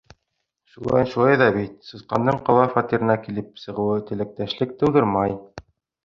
Шулайын шулай ҙа бит, сысҡандың ҡала фатирына килеп сығыуы теләктәшлек тыуҙырмай.